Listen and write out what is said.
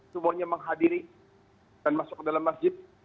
semuanya menghadiri dan masuk ke dalam masjid